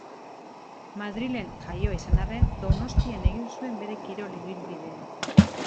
Madrilen jaioa izan arren, Donostian egin zuen bere kirol ibilbidea.